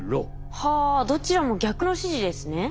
はあどちらも逆の指示ですね。